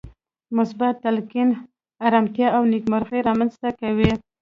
مثبت تلقين ارامتيا او نېکمرغي رامنځته کوي.